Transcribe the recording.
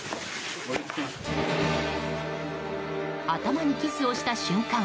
頭にキスをした瞬間